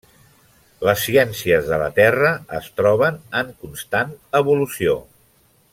Les ciències de la Terra es troben en constant evolució.